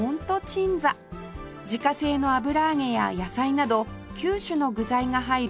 自家製の油揚げや野菜など９種の具材が入る